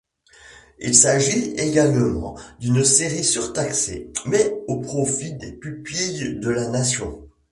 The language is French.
Il s'agit également d'une série surtaxée, mais au profit des pupilles de la Nation.